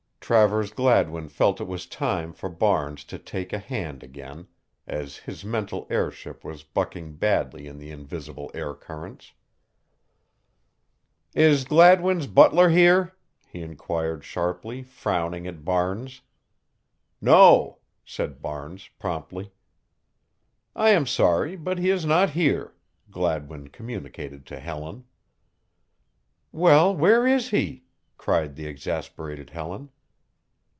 Travers Gladwin felt it was time for Barnes to take a hand again, as his mental airship was bucking badly in the invisible air currents. "Is Gladwin's butler here?" he inquired sharply, frowning at Barnes. "No," said Barnes promptly. "I am sorry, but he is not here," Gladwin communicated to Helen. "Well, where is he?" cried the exasperated Helen.